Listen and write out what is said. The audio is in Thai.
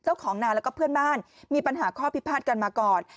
เจ้าของนาแล้วก็เพื่อนบ้านมีปัญหาข้อพิพาทกันมาก่อน